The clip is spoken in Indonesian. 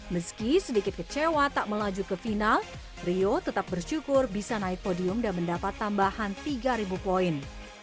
meski sedikit kecewa tak melaju ke final rio tetap bersyukur bisa naik podium dan mendapat tambahan tiga poin